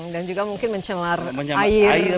dan juga mungkin mencemar air